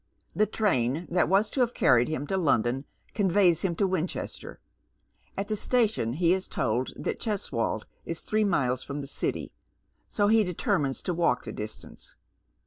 The train that was to have carried him to London conveys him to Winchester. At the station he is told that Cheswold is three miles fi om the city, so he determines to walk the distance.